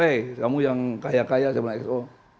eh kamu yang kaya kaya sebenarnya xo